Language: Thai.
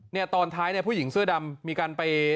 ตอนท้ายเนี่ยผู้หญิงเสื้อดำมีการไป